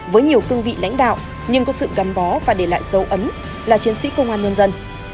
với nhiều cương vị lãnh đạo nhưng có sự gắn bó và để lại dấu ấn là chiến sĩ công an nhân dân